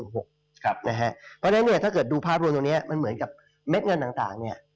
เพราะฉะนั้นเนี่ยถ้าเกิดดูภาพรวมตรงนี้มันเหมือนกับเม็ดเงินต่างเนี่ย